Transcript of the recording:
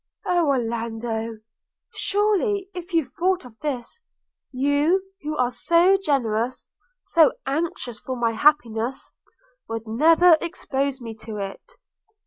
Oh Orlando! surely if you thought of this, you, who are so generous, so anxious for my happiness, would never expose me to it.